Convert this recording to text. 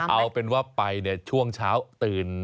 เอาเป็นว่าไปช่วงเช้าตื่น